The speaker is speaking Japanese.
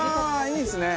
いいですね。